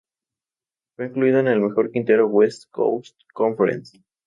Fue incluido en el Mejor Quinteto West Coast Conference.